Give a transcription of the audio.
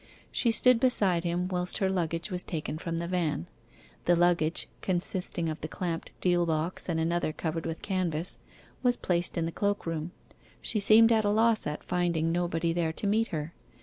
She stood beside him whilst her luggage was taken from the van. The luggage, consisting of the clamped deal box and another covered with canvas, was placed in the cloak room. She seemed at a loss at finding nobody there to meet her.